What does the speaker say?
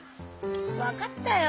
わかったよ。